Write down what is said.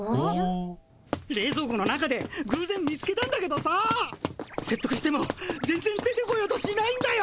れいぞう庫の中でぐうぜん見つけたんだけどさせっとくしても全ぜん出てこようとしないんだよ。